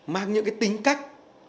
mang những tính cách